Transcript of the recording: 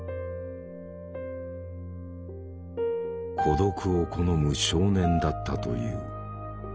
孤独を好む少年だったという。